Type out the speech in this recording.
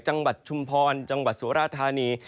จังหวัดชุมพรจังหวัดสุรธานี